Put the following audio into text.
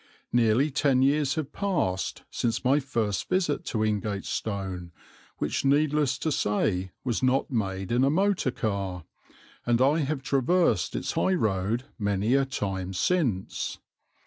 Nearly ten years have passed since my first visit to Ingatestone, which needless to say was not made in a motor car, and I have traversed its high road many a time since.